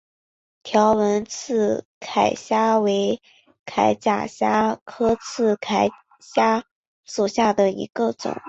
条纹刺铠虾为铠甲虾科刺铠虾属下的一个种。